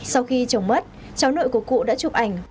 sau khi chồng mất cháu nội của cụ đã chụp ảnh